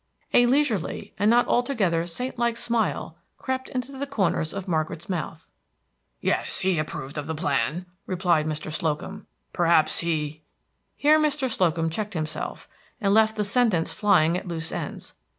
A leisurely and not altogether saint like smile crept into the corners of Margaret's mouth. "Yes, he approved of the plan," repeated Mr. Slocum. "Perhaps he" Here Mr. Slocum checked himself, and left the sentence flying at loose ends.